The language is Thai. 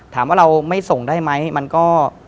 ถามว่าเราไม่ส่งได้ไหมมันก็